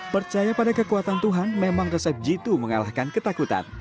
percaya pada kekuatan tuhan memang resep jitu mengalahkan ketakutan